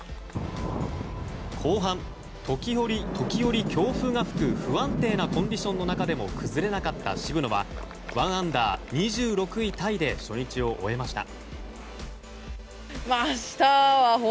後半、時折強風が吹く不安定なコンディションの中でも崩れなかった渋野は１アンダー、２６位タイで初日を終えました。